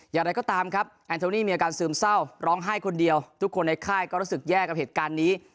อย่างไรก็ตามครับแอนโทนี่มีอาการซึมเศร้าร้องไห้คนเดียวทุกคนในค่ายก็รู้สึกแย่กับเหตุการณ์นี้